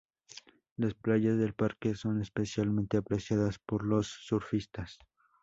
Las playas del parque son especialmente apreciadas por los surfistas.